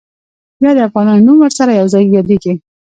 یا د افغانانو نوم ورسره یو ځای یادېږي.